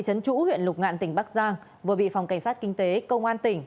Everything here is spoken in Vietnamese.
chủ huyện lục ngạn tỉnh bắc giang vừa bị phòng cảnh sát kinh tế công an tỉnh